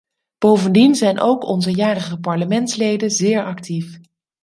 Bovendien zijn ook onze jarige parlementsleden zeer actief.